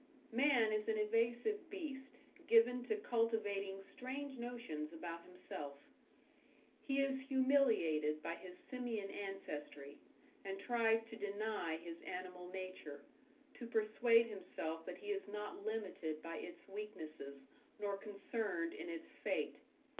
Man is an evasive beast, given to cultivating strange notions about himself. He is humiliated by his simian ancestry, and tries to deny his animal nature, to persuade himself that he is not limited by its weaknesses nor concerned in its fate.